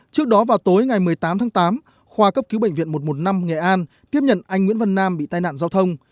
trước đó vào tối ngày một mươi tám tháng tám khoa cấp cứu bệnh viện một trăm một mươi năm nghệ an tiếp nhận anh nguyễn văn nam bị tai nạn giao thông